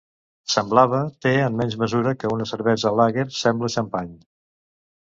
Semblava te en menys mesura que una cervesa Lager sembla xampany.